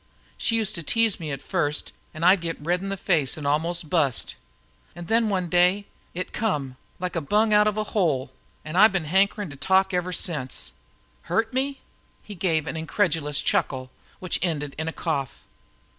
She used to tease me at first, an' I'd get red in the face an' almost bust. An' then, one day, it come, like a bung out of a hole, an' I've had a hankerin' to talk ever since. Hurt me!" He gave an incredulous chuckle, which ended in a cough.